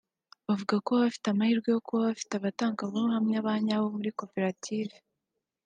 avuga ko bafite amahirwe yo kuba bafite abatangabuhamya ba nyabo muri koperative